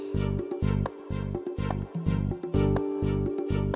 tunggu bagi remote